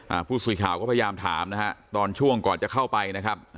อ่าผู้สื่อข่าวก็พยายามถามนะฮะตอนช่วงก่อนจะเข้าไปนะครับ